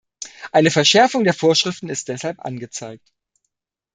Eine Verschärfung der Vorschriften ist deshalb angezeigt.